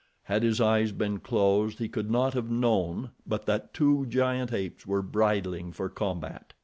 Had his eyes been closed he could not have known but that two giant apes were bridling for combat.